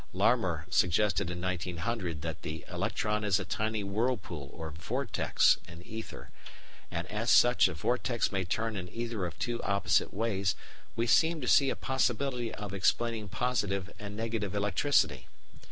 Larmor suggested in 1900 that the electron is a tiny whirlpool, or "vortex," in ether; and, as such a vortex may turn in either of two opposite ways, we seem to see a possibility of explaining positive and negative electricity.